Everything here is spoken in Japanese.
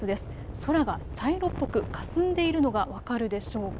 空が茶色っぽくかすんでいるのが分かるでしょうか。